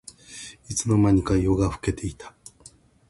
いつの間にか夜が更けていた